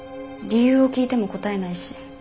理由を聞いても答えないし。